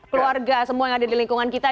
keluarga semua yang ada di lingkungan kita